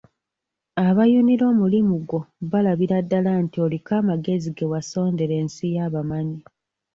Abayunira omulimu gwo balabira ddala nti oliko amagezi ge wasondera ensi y’abamanyi.